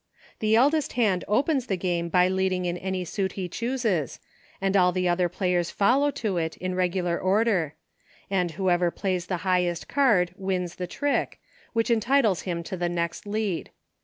The eldest hand opens the game by leading in any suit he chooses, and all the other players follow to it, in regular order; and whoever plays the highest card wins the trick, which entitles him to the next lead.